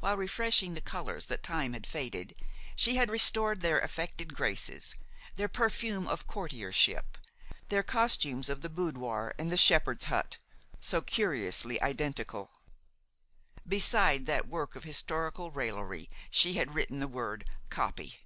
While refreshing the colors that time had faded, she had restored their affected graces, their perfume of courtiership, their costumes of the boudoir and the shepherd's hut, so curiously identical. Beside that work of historical raillery she had written the word copy.